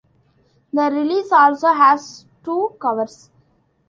The release also has two covers.